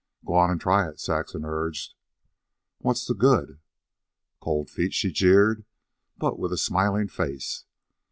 "Go on and try it," Saxon urged. "What's the good?" "Cold feet," she jeered, but with a smiling face.